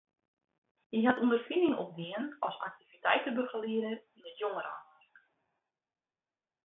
Hy hat ûnderfining opdien as aktiviteitebegelieder yn it jongereinwurk.